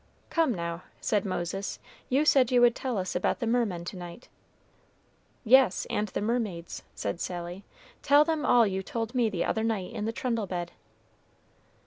"Come, now," said Moses, "you said you would tell us about the mermen to night." "Yes, and the mermaids," said Sally. "Tell them all you told me the other night in the trundle bed."